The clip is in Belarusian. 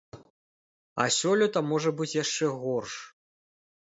А сёлета можа быць яшчэ горш.